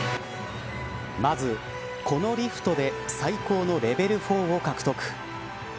まず、このリフトで最高のレベル４を獲得。